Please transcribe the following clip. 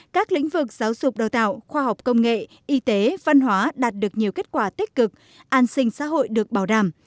các lĩnh vực giáo dục đào tạo khoa học công nghệ y tế văn hóa đạt được nhiều kết quả tích cực an sinh xã hội được bảo đảm